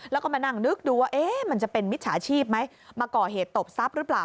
แล้วก็มานั่งนึกดูว่ามันจะเป็นมิจฉาชีพไหมมาก่อเหตุตบทรัพย์หรือเปล่า